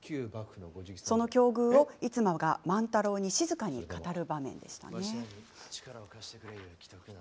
その境遇を逸馬が万太郎に静かに語る場面です。